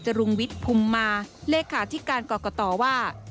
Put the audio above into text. จรุงวิทย์ภุมมาเลขาที่การกรกฏอว่า